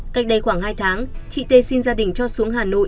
cách đây khoảng hai tháng chị t xin gia đình cho xuống hà nội